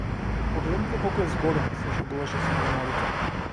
Погледнете колку е згоден, се шегуваше со новинарите.